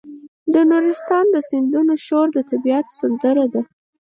د نورستان د سیندونو شور د طبیعت سندره ده.